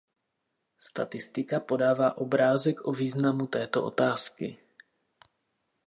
Statistika podává obrázek o významu této otázky.